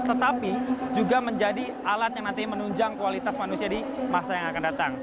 tetapi juga menjadi alat yang nantinya menunjang kualitas manusia di masa yang akan datang